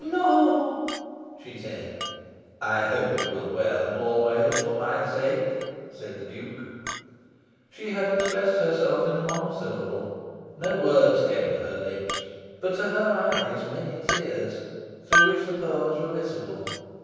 "Lor!" she said. "I hope you will wear them always for my sake," said the Duke. She had expressed herself in the monosyllable. No words came to her lips, but to her eyes many tears, through which the pearls were visible.